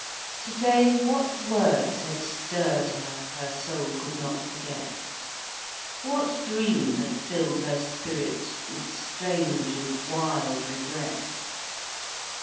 To day, what words had stirr'd her, Her soul could not forget? What dream had fill'd her spirit With strange and wild regret?